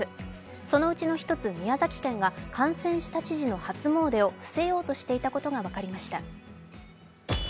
そのうちの１つ、宮崎県が感染した知事の初詣を伏せようとしていたことが分かりました。